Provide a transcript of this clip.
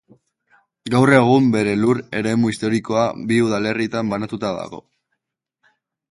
Gaur egun bere lur eremu historikoa bi udalerritan banatuta dago.